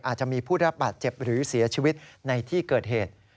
อาจจะมีผู้ได้รับบาดเจ็บหรือเสียชีวิตในที่เกิดเหตุ